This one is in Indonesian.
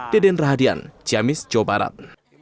deden rahadian ciamis jawa barat